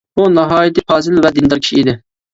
بۇ ناھايىتى پازىل ۋە دىندار كىشى ئىدى.